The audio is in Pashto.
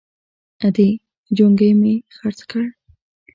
_ادې! جونګی مې خرڅ کړ!